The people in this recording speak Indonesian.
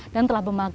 tapi lebih penting